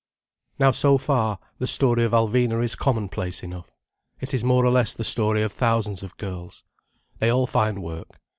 Now so far, the story of Alvina is commonplace enough. It is more or less the story of thousands of girls. They all find work.